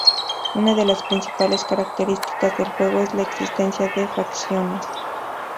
Una de las principales características del juego es la existencia de facciones.